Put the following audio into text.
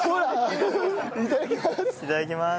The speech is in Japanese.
いただきます。